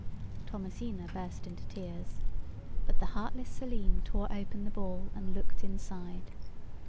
Thomasina burst into tears—but the heartless Selim tore open the Ball, and looked inside.